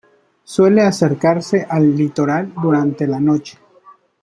Suele acercarse al litoral durante la noche.